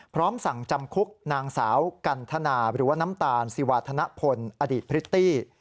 พร้อมสั่งจำคุกนางสาวกันทนาหรือว่าน้ำตาลศิวาธนพลอดีตพริตตี้